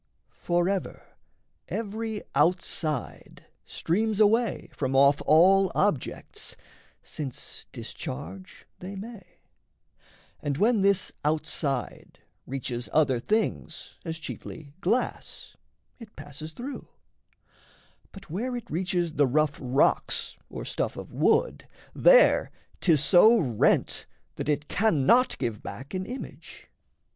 For ever every outside streams away From off all objects, since discharge they may; And when this outside reaches other things, As chiefly glass, it passes through; but where It reaches the rough rocks or stuff of wood, There 'tis so rent that it cannot give back An image.